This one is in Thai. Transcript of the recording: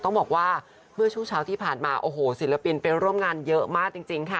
ต้องบอกว่าเมื่อช่วงเช้าที่ผ่านมาโอ้โหศิลปินไปร่วมงานเยอะมากจริงค่ะ